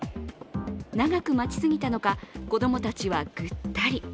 長く待ちすぎたのか、子供たちはぐったり。